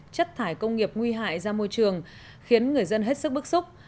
chất thải công nghiệp nguy hại ra môi trường khiến người dân hết sức bức xúc